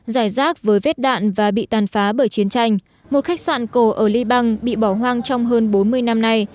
giải rác với vết đạn và bị tàn phá bởi chiến tranh một khách sạn cổ ở liban bị bỏ hoang trong hơn bốn mươi năm nay